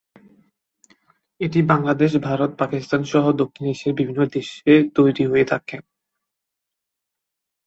এটি বাংলাদেশ, ভারত, পাকিস্তান সহ দক্ষিণ এশিয়ার বিভিন্ন দেশে তৈরি হয়ে থাকে।